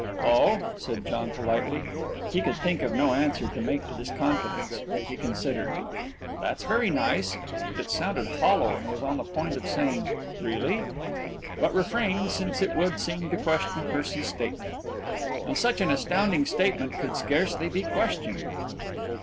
"Oh," said John politely. He could think of no answer to make to this confidence. He considered "That's very nice," but it sounded hollow and was on the point of saying, "Really?" but refrained since it would seem to question Percy's statement. And such an astounding statement could scarcely be questioned.